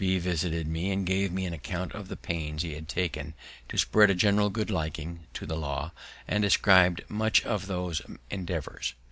B. visited me, and gave me an account of the pains he had taken to spread a general good liking to the law, and ascribed much to those endeavours.